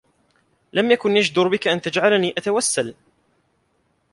لم يكن يجدر بك أن تجعلني أتوسل.